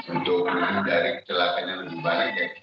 untuk mencari celaka yang lebih banyak